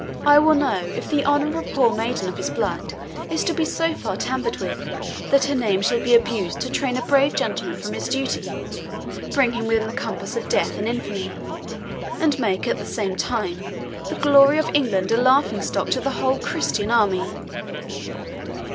I will know if the honour of a poor maiden of his blood is to be so far tampered with that her name shall be abused to train a brave gentleman from his duty, bring him within the compass of death and infamy, and make, at the same time, the glory of England a laughing stock to the whole Christian army."